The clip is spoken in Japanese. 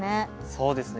そうですね。